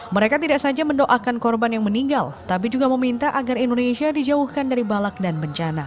mereka tidak saja mendoakan korban yang meninggal tapi juga meminta agar indonesia dijauhkan dari balak dan bencana